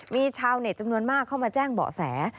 มีชาวเน็ตจำนวนมากเข้ามาแจ้งเบาะแส